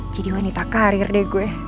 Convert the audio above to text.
jadi wanita karir deh gue